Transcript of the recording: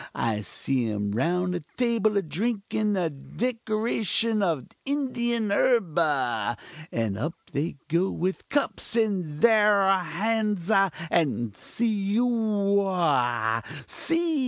I see 'em round a table a drinkin a decoction of Indian herb ah! and up they go with cups in thar hands ah! and see ohoah! see!